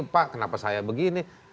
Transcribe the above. pak kenapa saya begini